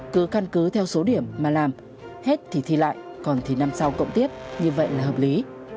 cứ căn cứ theo số điểm mà làm hết thì thi lại còn thì năm sau cộng tiếp như vậy là hợp lý